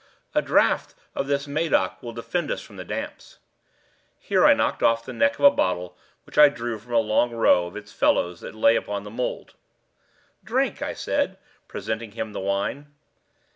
A draught of this Medoc will defend us from the damps." Here I knocked off the neck of a bottle which I drew from a long row of its fellows that lay upon the mould. "Drink," I said, presenting him the wine.